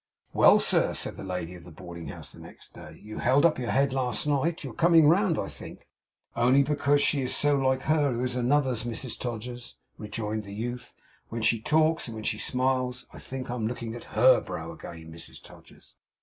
'Well, sir!' said the lady of the Boarding House next day. 'You held up your head last night. You're coming round, I think.' 'Only because she's so like her who is Another's, Mrs Todgers,' rejoined the youth. 'When she talks, and when she smiles, I think I'm looking on HER brow again, Mrs Todgers.